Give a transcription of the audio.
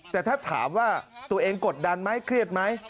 แต่ถ้าถามว่าตัวเองกดดันไหมเครียดไหม